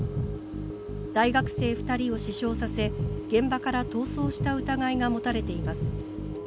大学生２人を死傷させ、現場から逃走した疑いが持たれています。